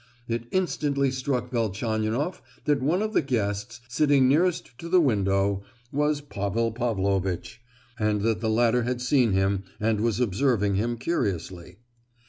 It instantly struck Velchaninoff that one of the guests, sitting nearest to the window, was Pavel Pavlovitch, and that the latter had seen him and was observing him curiously.